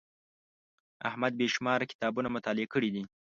احمد بې شماره کتابونه مطالعه کړي دي.